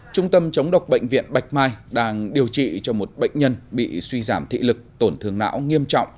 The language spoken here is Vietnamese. trung tâm chống độc bệnh viện bạch mai đang điều trị cho một bệnh nhân bị suy giảm thị lực tổn thương não nghiêm trọng